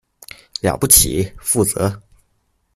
了不起，負責